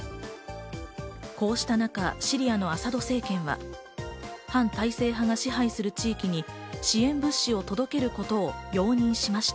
こうした中、シリアのアサド政権は、反体制派が支配する地域に支援物資を届けることを容認しました。